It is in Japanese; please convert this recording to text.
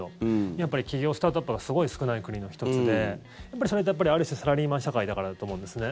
やっぱり起業、スタートアップがすごい少ない国の１つでそれってやっぱり、ある種サラリーマン社会だからだと思うんですね。